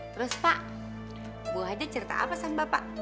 terus pak ibu haja cerita apa sama bapak